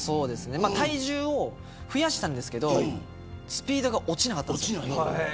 体重を増やしたんですけどスピードが落ちなかったんです。